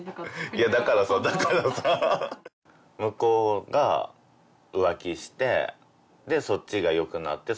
いやだからそうだからさ向こうが浮気してでそっちがよくなって